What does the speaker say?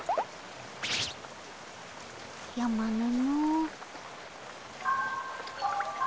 やまぬのう。